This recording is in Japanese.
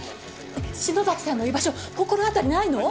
篠崎さんの居場所心当たりないの？